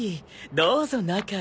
どうぞ中へ。